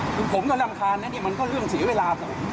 คือผมก็รำคาญนะนี่มันก็เรื่องเสียเวลาผม